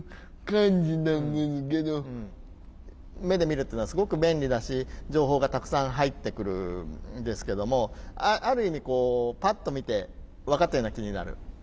目で見るっていうのはすごく便利だし情報がたくさん入ってくるんですけどもある意味こうパッと見て分かったような気になる。